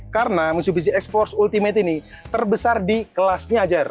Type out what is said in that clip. karena mitsubishi x force ultimate ini terbesar di kelasnya jar